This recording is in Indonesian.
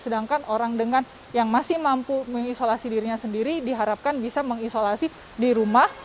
siapa yang mampu mengisolasi dirinya sendiri diharapkan bisa mengisolasi di rumah